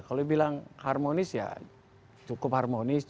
kalau bilang harmonis ya cukup harmonis